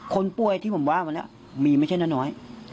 คนป่วยที่ผมว่าวันนี้มีไม่ใช่น้าน้อย